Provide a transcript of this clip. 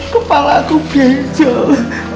kepala aku bejol